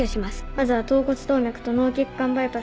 まずは橈骨動脈と脳血管バイパスから。